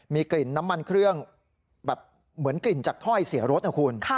มีกลิ่นน้ำมันเครื่องแบบเหมือนกลิ่นจากถ้อยเสียรถนะคุณ